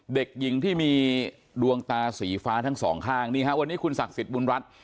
เด็กหญิงที่มีดวงตาสีฟ้าทั้งสองข้างนี่ฮะวันนี้คุณศักดิ์สิทธิบุญรัฐ